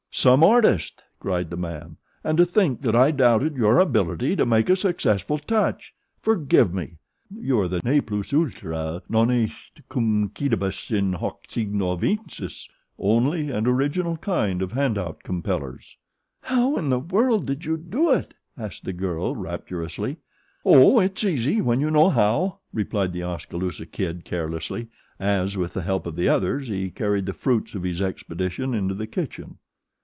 "Some artist!" cried the man. "And to think that I doubted your ability to make a successful touch! Forgive me! You are the ne plus ultra, non est cumquidibus, in hoc signo vinces, only and original kind of hand out compellers." "How in the world did you do it?" asked the girl, rapturously. "Oh, it's easy when you know how," replied The Oskaloosa Kid carelessly, as, with the help of the others, he carried the fruits of his expedition into the kitchen.